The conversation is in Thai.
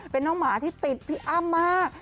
เป็นน้องหมาที่ติดพี่อ้ำมาก